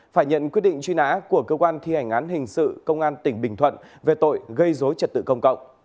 phải nhận quyết định truy nã của cơ quan thi hành án hình sự công an tỉnh bình thuận về tội gây dối trật tự công cộng